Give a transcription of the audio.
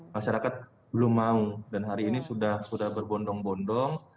masyarakat belum mau dan hari ini sudah berbondong bondong